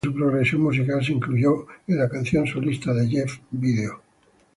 Parte de su progresión musical se incluyó en la canción solista de Jeff "Video!